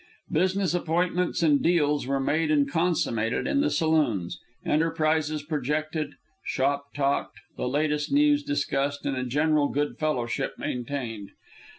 Business appointments and deals were made and consummated in the saloons, enterprises projected, shop talked, the latest news discussed, and a general good fellowship maintained.